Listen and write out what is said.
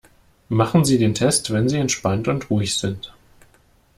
Machen Sie den Test, wenn sie entspannt und ruhig sind.